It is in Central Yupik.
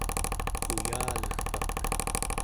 uyalegpak